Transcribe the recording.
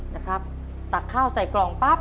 นะครับตักข้าวใส่กล่องปั๊บ